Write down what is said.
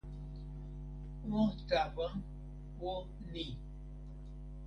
o tawa, o ni!